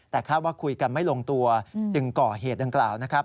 แต่คาดว่าคุยกันไม่ลงตัวจึงก่อเหตุดังกล่าวนะครับ